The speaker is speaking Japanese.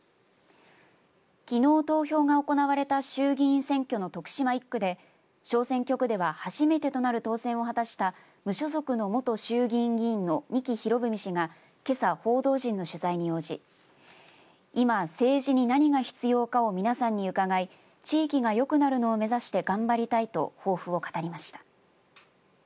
きのう投票が行われた衆議院選挙の徳島１区で小選挙区では初めてとなる当選を果たした無所属の元衆議院議員の仁木博文氏がけさ、報道陣の取材に応じ今、政治に何が必要かを皆さんに伺い地域がよくなるのを目指して頑張りたいと抱負を語りました。